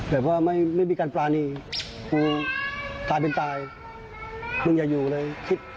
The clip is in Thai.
แบบว่าไม่มีการปรานีกูตายเป็นตายมึงอย่าอยู่เลยคิด